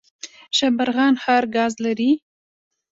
شبرغان ښار ګاز لري؟